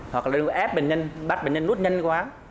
hoặc là lưu ép bệnh nhân bắt bệnh nhân nút nhanh quá